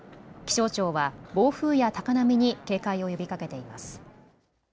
気象庁は、暴風や高波に警戒を呼びかけています。